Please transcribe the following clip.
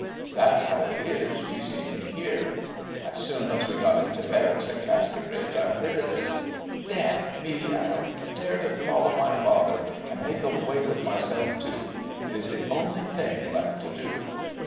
That's how it is you see me here. As soon as we got into barracks at Casterbridge I heard o' this ... Damn me! I'll dare to follow my father, and make away with myself, too. It is the only thing left to do!'